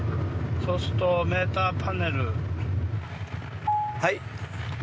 そうするとメーターパネル。